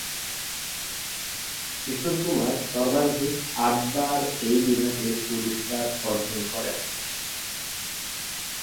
কিশোর কুমার সর্বাধিক আটবার এই বিভাগে পুরস্কার অর্জন করেন।